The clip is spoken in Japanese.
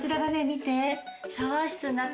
見て。